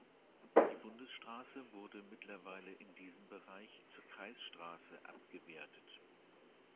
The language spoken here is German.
Die Bundesstraße wurde mittlerweile in diesem Bereich zur Kreisstraße abgewertet.